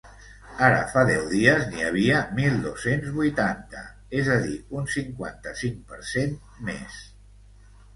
Ara fa deu dies n’hi havia mil dos-cents vuitanta, és a dir, un cinquanta-cinc per cent més.